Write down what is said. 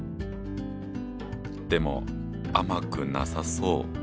でも甘くなさそう。